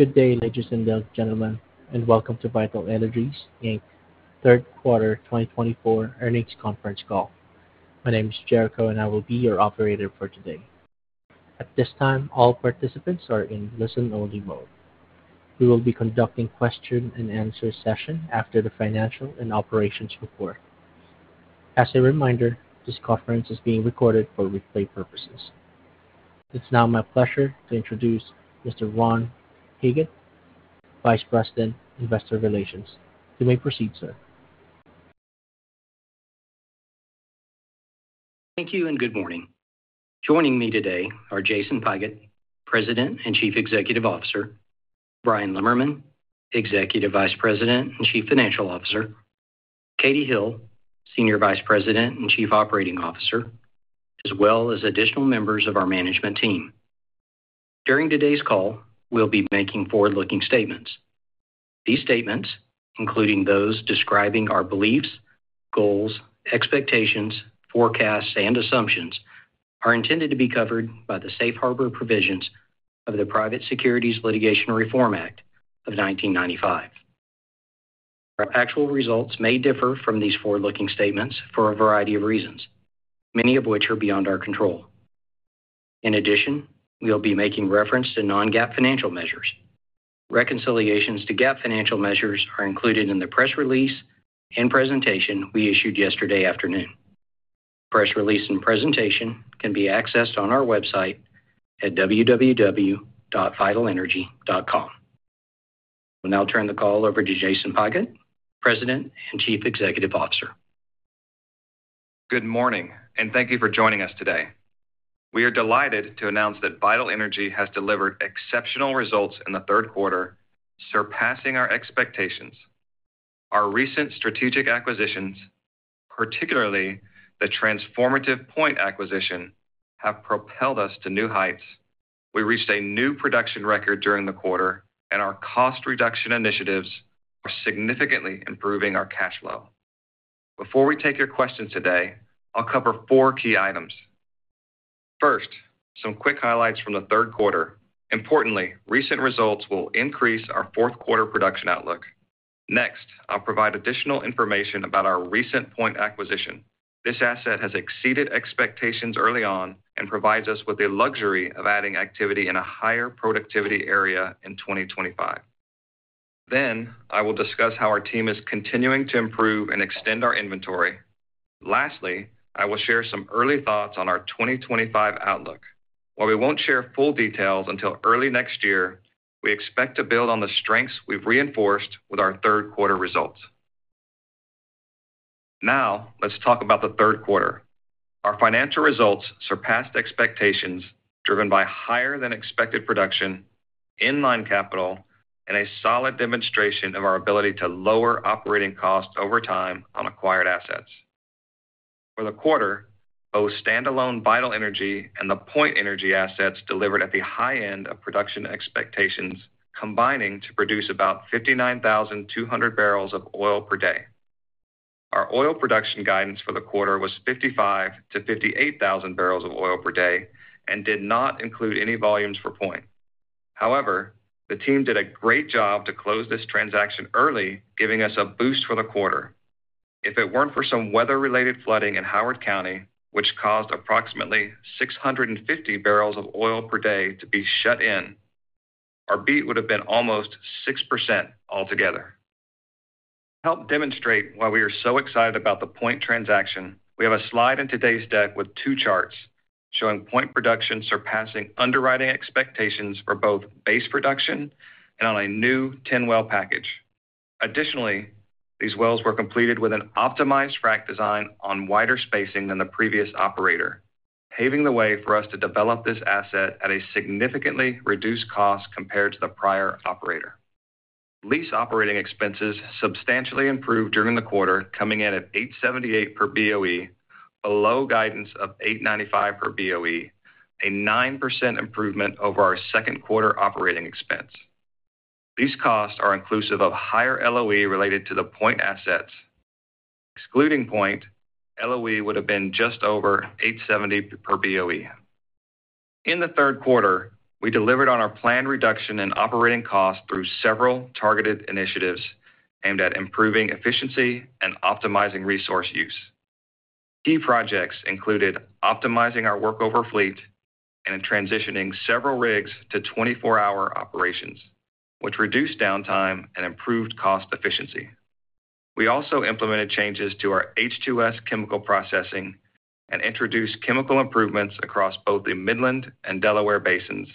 Good day, ladies and gentlemen, and welcome to Vital Energy, Inc.'s Third Quarter 2024 earnings conference call. My name is Jericho, and I will be your operator for today. At this time, all participants are in listen-only mode. We will be conducting question-and-answer sessions after the financial and operations report. As a reminder, this conference is being recorded for replay purposes. It's now my pleasure to introduce Mr. Ron Hagood, Vice President, Investor Relations. You may proceed, sir. Thank you, and good morning. Joining me today are Jason Pigott, President and Chief Executive Officer, Bryan Lemmerman, Executive Vice President and Chief Financial Officer, Katie Hill, Senior Vice President and Chief Operating Officer, as well as additional members of our management team. During today's call, we'll be making forward-looking statements. These statements, including those describing our beliefs, goals, expectations, forecasts, and assumptions, are intended to be covered by the safe harbor provisions of the Private Securities Litigation Reform Act of 1995. Our actual results may differ from these forward-looking statements for a variety of reasons, many of which are beyond our control. In addition, we'll be making reference to non-GAAP financial measures. Reconciliations to GAAP financial measures are included in the press release and presentation we issued yesterday afternoon. The press release and presentation can be accessed on our website at www.vitalenergy.com. I'll now turn the call over to Jason Pigott, President and Chief Executive Officer. Good morning, and thank you for joining us today. We are delighted to announce that Vital Energy has delivered exceptional results in the third quarter, surpassing our expectations. Our recent strategic acquisitions, particularly the transformative Point acquisition, have propelled us to new heights. We reached a new production record during the quarter, and our cost reduction initiatives are significantly improving our cash flow. Before we take your questions today, I'll cover four key items. First, some quick highlights from the third quarter. Importantly, recent results will increase our fourth quarter production outlook. Next, I'll provide additional information about our recent Point acquisition. This asset has exceeded expectations early on and provides us with the luxury of adding activity in a higher productivity area in 2025. Then, I will discuss how our team is continuing to improve and extend our inventory. Lastly, I will share some early thoughts on our 2025 outlook. While we won't share full details until early next year, we expect to build on the strengths we've reinforced with our third quarter results. Now, let's talk about the third quarter. Our financial results surpassed expectations, driven by higher-than-expected production, inline capital, and a solid demonstration of our ability to lower operating costs over time on acquired assets. For the quarter, both standalone Vital Energy and the Point Energy assets delivered at the high end of production expectations, combining to produce about 59,200 barrels of oil per day. Our oil production guidance for the quarter was 55,000-58,000 barrels of oil per day and did not include any volumes for Point. However, the team did a great job to close this transaction early, giving us a boost for the quarter. If it weren't for some weather-related flooding in Howard County, which caused approximately 650 barrels of oil per day to be shut in, our beat would have been almost 6% altogether. To help demonstrate why we are so excited about the Point transaction, we have a slide in today's deck with two charts showing Point production surpassing underwriting expectations for both base production and on a new TIL well package. Additionally, these wells were completed with an optimized frac design on wider spacing than the previous operator, paving the way for us to develop this asset at a significantly reduced cost compared to the prior operator. Lease operating expenses substantially improved during the quarter, coming in at 878 per BOE, below guidance of 895 per BOE, a 9% improvement over our second quarter operating expense. These costs are inclusive of higher LOE related to the Point assets. Excluding Point, LOE would have been just over 870 per BOE. In the third quarter, we delivered on our planned reduction in operating costs through several targeted initiatives aimed at improving efficiency and optimizing resource use. Key projects included optimizing our workover fleet and transitioning several rigs to 24-hour operations, which reduced downtime and improved cost efficiency. We also implemented changes to our H2S chemical processing and introduced chemical improvements across both the Midland Basin and Delaware Basin,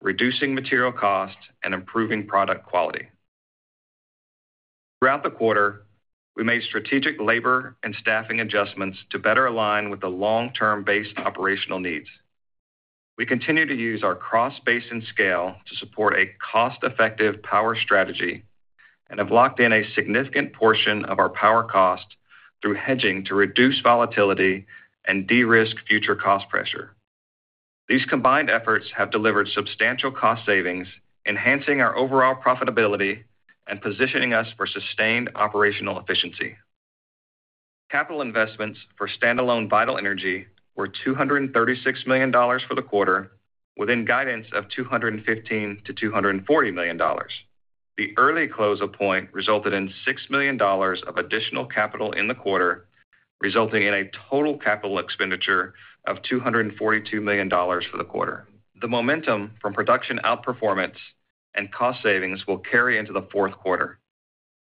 reducing material costs and improving product quality. Throughout the quarter, we made strategic labor and staffing adjustments to better align with the long-term based operational needs. We continue to use our cross-basin scale to support a cost-effective power strategy and have locked in a significant portion of our power cost through hedging to reduce volatility and de-risk future cost pressure. These combined efforts have delivered substantial cost savings, enhancing our overall profitability and positioning us for sustained operational efficiency. Capital investments for standalone Vital Energy were $236 million for the quarter, within guidance of $215-$240 million. The early close of Point resulted in $6 million of additional capital in the quarter, resulting in a total capital expenditure of $242 million for the quarter. The momentum from production outperformance and cost savings will carry into the fourth quarter.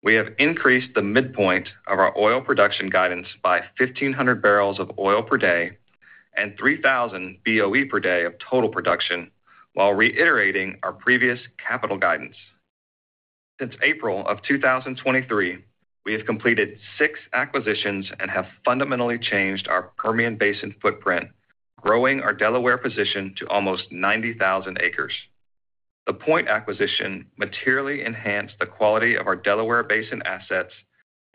We have increased the midpoint of our oil production guidance by 1,500 barrels of oil per day and 3,000 BOE per day of total production, while reiterating our previous capital guidance. Since April of 2023, we have completed six acquisitions and have fundamentally changed our Permian Basin footprint, growing our Delaware position to almost 90,000 acres. The Point acquisition materially enhanced the quality of our Delaware Basin assets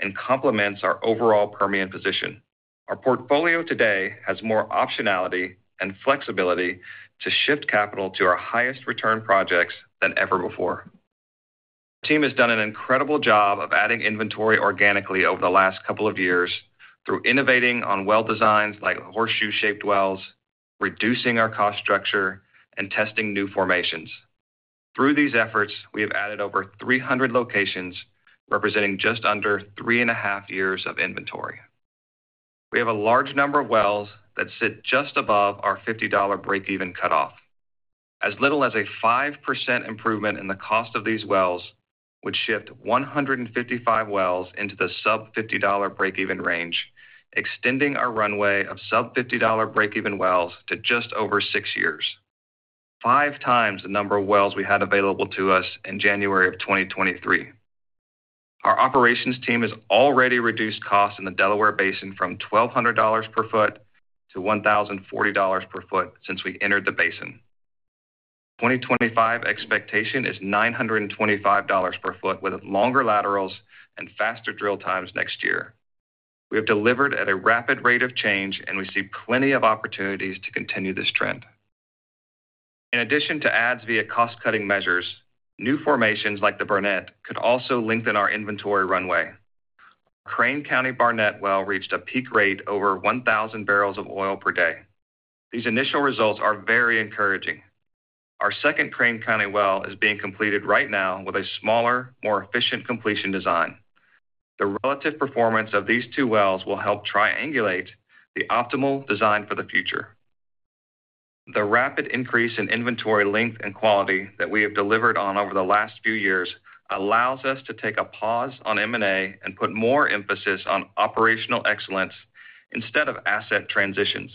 and complements our overall Permian position. Our portfolio today has more optionality and flexibility to shift capital to our highest return projects than ever before. Our team has done an incredible job of adding inventory organically over the last couple of years through innovating on well designs like horseshoe-shaped wells, reducing our cost structure, and testing new formations. Through these efforts, we have added over 300 locations, representing just under three and a half years of inventory. We have a large number of wells that sit just above our $50 break-even cutoff. As little as a 5% improvement in the cost of these wells would shift 155 wells into the sub-$50 break-even range, extending our runway of sub-$50 break-even wells to just over six years, five times the number of wells we had available to us in January of 2023. Our operations team has already reduced costs in the Delaware Basin from $1,200 per foot to $1,040 per foot since we entered the basin. 2025 expectation is $925 per foot with longer laterals and faster drill times next year. We have delivered at a rapid rate of change, and we see plenty of opportunities to continue this trend. In addition to adds via cost-cutting measures, new formations like the Barnett could also lengthen our inventory runway. Our Crane County Barnett well reached a peak rate over 1,000 barrels of oil per day. These initial results are very encouraging. Our second Crane County well is being completed right now with a smaller, more efficient completion design. The relative performance of these two wells will help triangulate the optimal design for the future. The rapid increase in inventory length and quality that we have delivered on over the last few years allows us to take a pause on M&A and put more emphasis on operational excellence instead of asset transitions.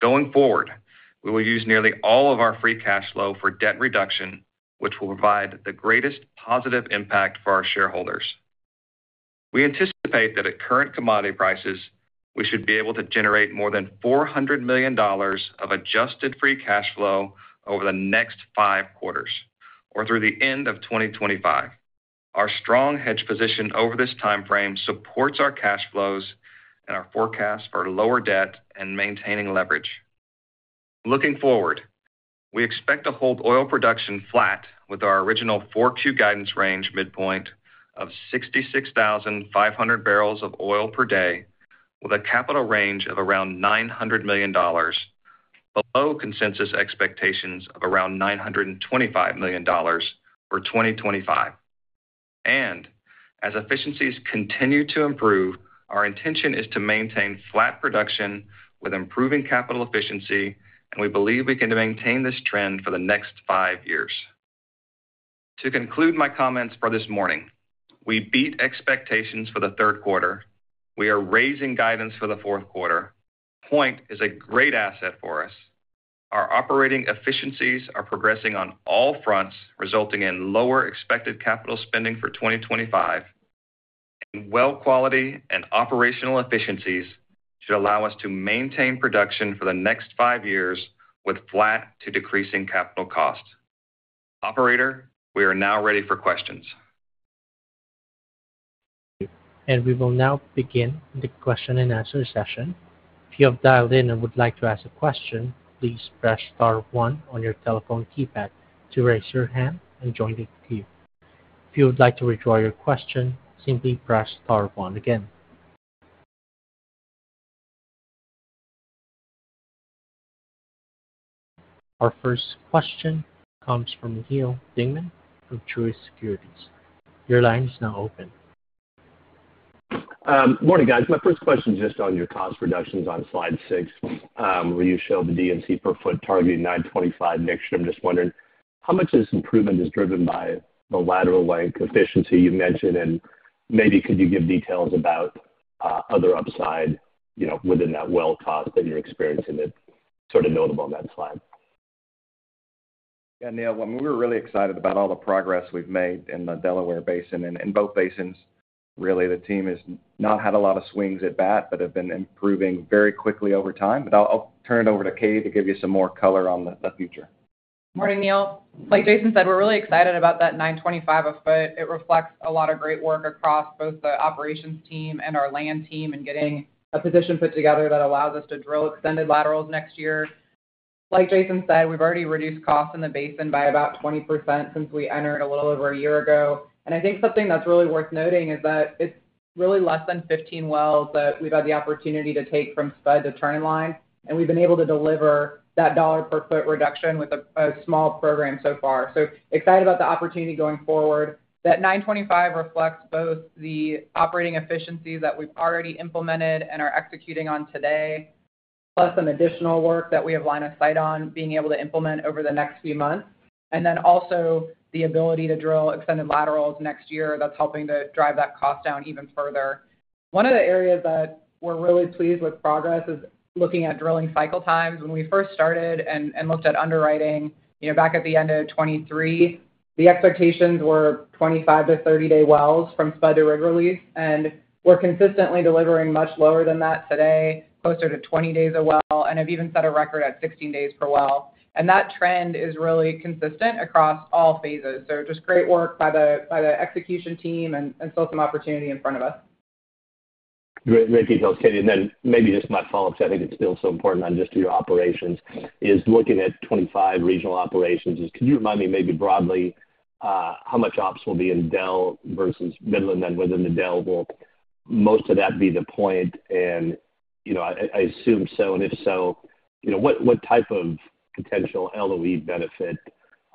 Going forward, we will use nearly all of our free cash flow for debt reduction, which will provide the greatest positive impact for our shareholders. We anticipate that at current commodity prices, we should be able to generate more than $400 million of adjusted free cash flow over the next five quarters or through the end of 2025. Our strong hedge position over this timeframe supports our cash flows and our forecast for lower debt and maintaining leverage. Looking forward, we expect to hold oil production flat with our original Q4 guidance range midpoint of 66,500 barrels of oil per day, with a capital range of around $900 million, below consensus expectations of around $925 million for 2025. And as efficiencies continue to improve, our intention is to maintain flat production with improving capital efficiency, and we believe we can maintain this trend for the next five years. To conclude my comments for this morning, we beat expectations for the third quarter. We are raising guidance for the fourth quarter. Point is a great asset for us. Our operating efficiencies are progressing on all fronts, resulting in lower expected capital spending for 2025. And well quality and operational efficiencies should allow us to maintain production for the next five years with flat to decreasing capital costs. Operator, we are now ready for questions. We will now begin the question and answer session. If you have dialed in and would like to ask a question, please press star one on your telephone keypad to raise your hand and join the queue. If you would like to withdraw your question, simply press star one again. Our first question comes from Neal Dingmann from Truist Securities. Your line is now open. Morning, guys. My first question is just on your cost reductions on slide six, where you show the D& C per foot targeting $925. Uncertain, I'm just wondering how much of this improvement is driven by the lateral length efficiency you mentioned, and maybe could you give details about other upside within that well cost that you're experiencing that's sort of notable on that slide? Yeah, Neal, we were really excited about all the progress we've made in the Delaware Basin and both basins. Really, the team has not had a lot of swings at bat but have been improving very quickly over time. But I'll turn it over to Katie to give you some more color on the future. Morning, Neal. Like Jason said, we're really excited about that $925 a foot. It reflects a lot of great work across both the operations team and our land team in getting a position put together that allows us to drill extended laterals next year. Like Jason said, we've already reduced costs in the basin by about 20% since we entered a little over a year ago. And I think something that's really worth noting is that it's really less than 15 wells that we've had the opportunity to take from spud to turn-in-line, and we've been able to deliver that dollar per foot reduction with a small program so far. So excited about the opportunity going forward. That $9.25 reflects both the operating efficiencies that we've already implemented and are executing on today, plus some additional work that we have line of sight on being able to implement over the next few months, and then also the ability to drill extended laterals next year that's helping to drive that cost down even further. One of the areas that we're really pleased with progress is looking at drilling cycle times. When we first started and looked at underwriting back at the end of 2023, the expectations were 25-30-day wells from spud to rig release, and we're consistently delivering much lower than that today, closer to 20 days a well, and have even set a record at 16 days per well. That trend is really consistent across all phases. Just great work by the execution team and still some opportunity in front of us. Great details, Katie, and then maybe just my follow-up, because I think it's still so important on just your operations, is looking at 25 regional operations. Could you remind me maybe broadly how much ops will be in Delaware versus Midland, and within the Delaware will most of that be the Point? And I assume so. And if so, what type of potential LOE benefit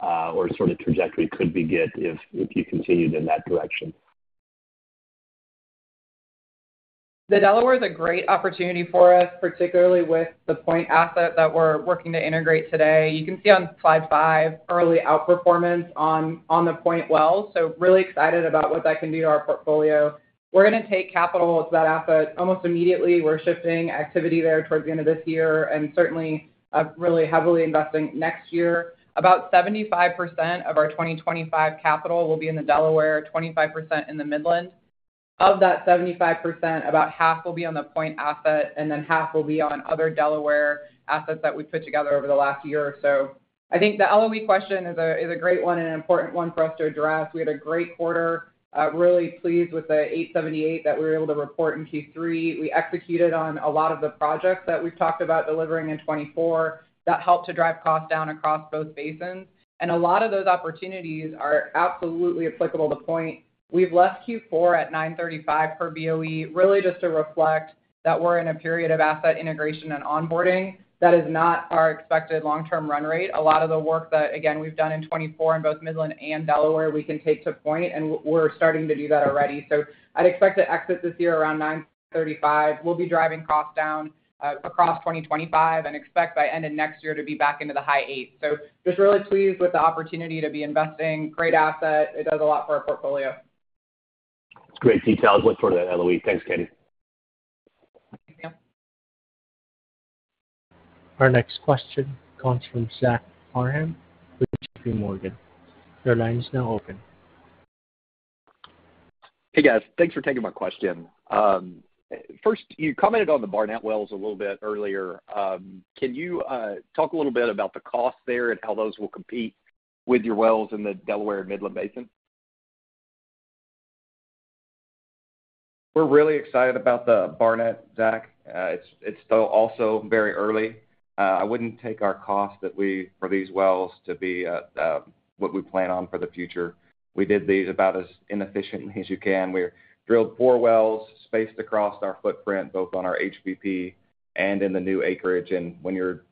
or sort of trajectory could we get if you continued in that direction? The Delaware is a great opportunity for us, particularly with the Point asset that we're working to integrate today. You can see on slide five early outperformance on the Point wells, so really excited about what that can do to our portfolio. We're going to take capital to that asset almost immediately. We're shifting activity there towards the end of this year and certainly really heavily investing next year. About 75% of our 2025 capital will be in the Delaware, 25% in the Midland. Of that 75%, about half will be on the Point asset, and then half will be on other Delaware assets that we've put together over the last year or so. I think the LOE question is a great one and an important one for us to address. We had a great quarter. Really pleased with the 878 that we were able to report in Q3. We executed on a lot of the projects that we've talked about delivering in 2024 that helped to drive costs down across both basins. And a lot of those opportunities are absolutely applicable to Point. We've left Q4 at $935 per BOE, really just to reflect that we're in a period of asset integration and onboarding that is not our expected long-term run rate. A lot of the work that, again, we've done in 2024 in both Midland and Delaware, we can take to Point, and we're starting to do that already. So I'd expect to exit this year around $935. We'll be driving costs down across 2025 and expect by end of next year to be back into the high eight. So just really pleased with the opportunity to be investing. Great asset. It does a lot for our portfolio. Great details. What sort of LOE? Thanks, Katie. Thank you. Our next question comes from Zach Cohen with JPMorgan. Your line is now open. Hey, guys. Thanks for taking my question. First, you commented on the Barnett wells a little bit earlier. Can you talk a little bit about the cost there and how those will compete with your wells in the Delaware and Midland Basin? We're really excited about the Barnett, Zach. It's still also very early. I wouldn't take our costs that we have for these wells to be what we plan on for the future. We did these about as inefficiently as you can. We drilled four wells spaced across our footprint, both on our HBP and in the new acreage, and when you're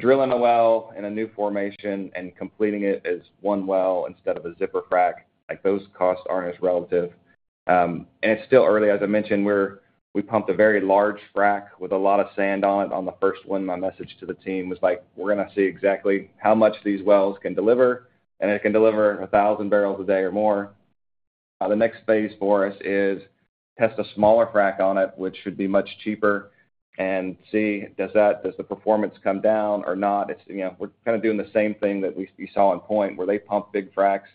drilling a well in a new formation and completing it as one well instead of a zipper frac, those costs aren't as relevant, and it's still early. As I mentioned, we pumped a very large frac with a lot of sand on it. On the first one, my message to the team was like, "We're going to see exactly how much these wells can deliver, and it can deliver 1,000 barrels a day or more." The next phase for us is to test a smaller frac on it, which should be much cheaper, and see, does the performance come down or not. We're kind of doing the same thing that you saw in Point where they pump big fracs,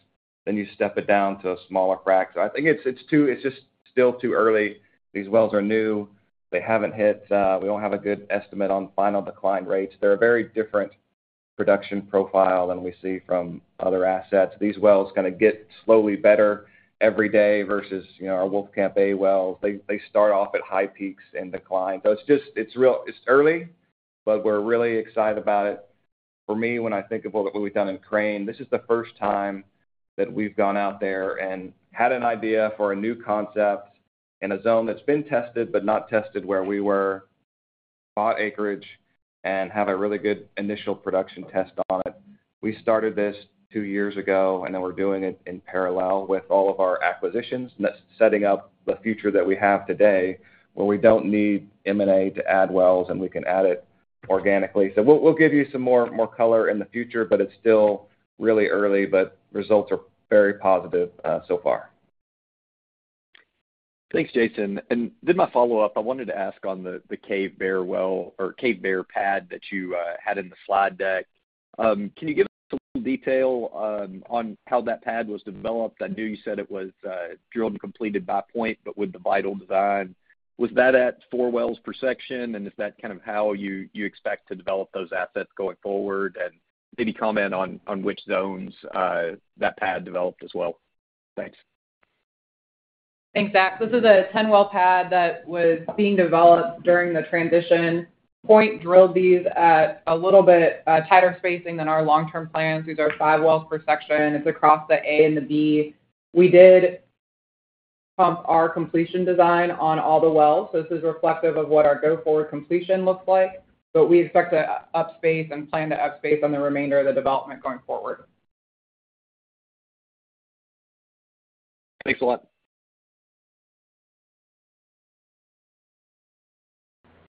then you step it down to a smaller frac. So I think it's just still too early. These wells are new. They haven't hit, we don't have a good estimate on final decline rates. They're a very different production profile than we see from other assets. These wells kind of get slowly better every day versus our Wolfcamp A wells. They start off at high peaks in decline. So it's early, but we're really excited about it. For me, when I think of what we've done in Crane, this is the first time that we've gone out there and had an idea for a new concept in a zone that's been tested but not tested where we were, bought acreage, and have a really good initial production test on it. We started this two years ago, and then we're doing it in parallel with all of our acquisitions and setting up the future that we have today where we don't need M&A to add wells, and we can add it organically. So we'll give you some more color in the future, but it's still really early, but results are very positive so far. Thanks, Jason. And then my follow-up, I wanted to ask on the K-Bar well or K-Bar pad that you had in the slide deck. Can you give us a little detail on how that pad was developed? I knew you said it was drilled and completed by Point, but with the Vital design. Was that at four wells per section, and is that kind of how you expect to develop those assets going forward? And maybe comment on which zones that pad developed as well. Thanks. Thanks, Zach. This is a 10-well pad that was being developed during the transition. Point drilled these at a little bit tighter spacing than our long-term plans. These are five wells per section. It's across the A and the B. We did pump our completion design on all the wells, so this is reflective of what our go-forward completion looks like, but we expect to upspace and plan to upspace on the remainder of the development going forward. Thanks a lot.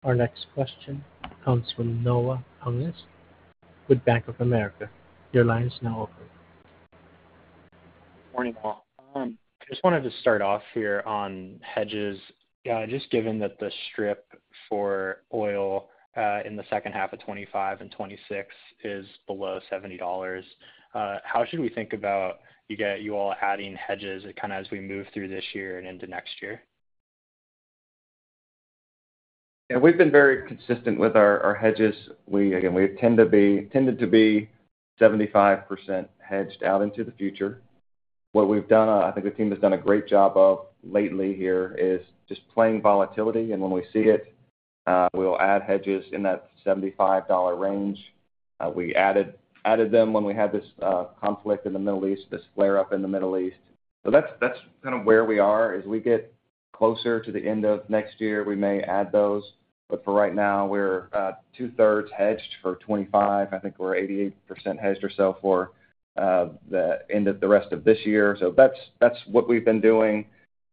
Our next question comes from Noah Hungness with Bank of America. Your line is now open. Morning, all. I just wanted to start off here on hedges. Just given that the strip for oil in the second half of 2025 and 2026 is below $70, how should we think about you all adding hedges kind of as we move through this year and into next year? Yeah, we've been very consistent with our hedges. Again, we tended to be 75% hedged out into the future. What we've done, I think the team has done a great job of lately here is just playing volatility. And when we see it, we'll add hedges in that $75 range. We added them when we had this conflict in the Middle East, this flare-up in the Middle East. So that's kind of where we are. As we get closer to the end of next year, we may add those. But for right now, we're two-thirds hedged for 2025. I think we're 88% hedged or so for the rest of this year. So that's what we've been doing.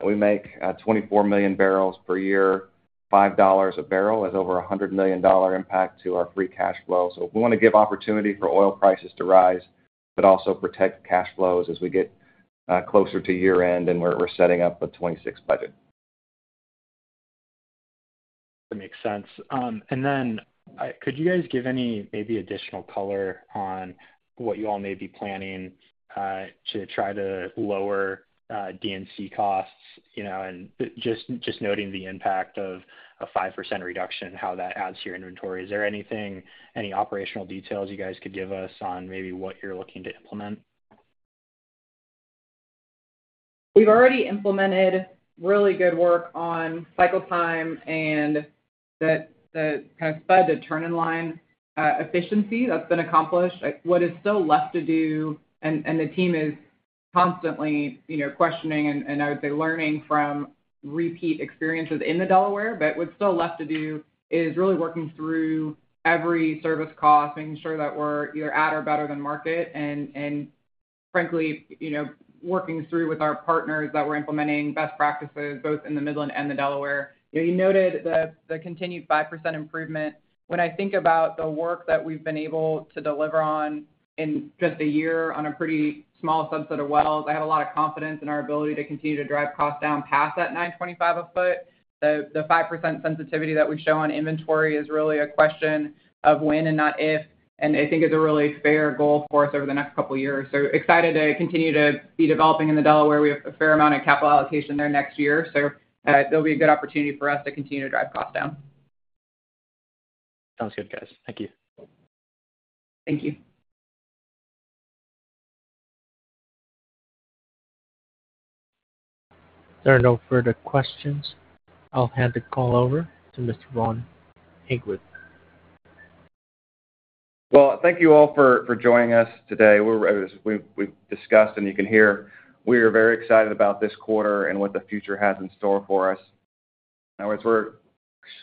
We make 24 million barrels per year. $5 a barrel has over $100 million impact to our free cash flow. So we want to give opportunity for oil prices to rise, but also protect cash flows as we get closer to year-end, and we're setting up a 2026 budget. That makes sense. And then could you guys give any maybe additional color on what you all may be planning to try to lower DNC costs and just noting the impact of a 5% reduction and how that adds to your inventory? Is there anything, any operational details you guys could give us on maybe what you're looking to implement? We've already implemented really good work on cycle time and the kind of spud to turn-in-line efficiency that's been accomplished. What is still left to do, and the team is constantly questioning and, I would say, learning from repeat experiences in the Delaware, but what's still left to do is really working through every service cost, making sure that we're either at or better than market, and frankly, working through with our partners that we're implementing best practices both in the Midland and the Delaware. You noted the continued 5% improvement. When I think about the work that we've been able to deliver on in just a year on a pretty small subset of wells, I have a lot of confidence in our ability to continue to drive costs down past that $925 a foot. The 5% sensitivity that we show on inventory is really a question of when and not if, and I think it's a really fair goal for us over the next couple of years. So excited to continue to be developing in the Delaware. We have a fair amount of capital allocation there next year, so there'll be a good opportunity for us to continue to drive costs down. Sounds good, guys. Thank you. Thank you. There are no further questions. I'll hand the call over to Mr. Ron Hagood. Thank you all for joining us today. We've discussed, and you can hear, we are very excited about this quarter and what the future has in store for us. In other words, we've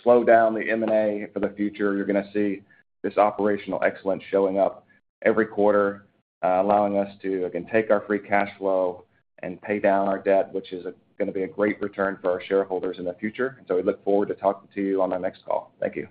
slowed down the M&A for the future. You're going to see this operational excellence showing up every quarter, allowing us to, again, take our free cash flow and pay down our debt, which is going to be a great return for our shareholders in the future. So we look forward to talking to you on our next call. Thank you.